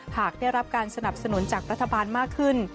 หากได้รับการสนับสนุนจากรัฐบาลมากขึ้น